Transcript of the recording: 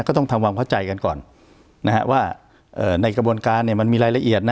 ก็ต้องทำว่าเข้าใจกันก่อนนะฮะว่าเอ่อในกระบวนการเนี้ยมันมีรายละเอียดนะ